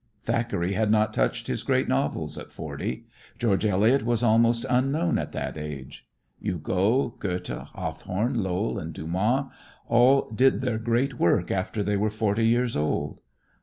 Thackeray had not touched his great novels at forty, George Eliot was almost unknown at that age. Hugo, Goethe, Hawthorne, Lowell and Dumas all did their great work after they were forty years old.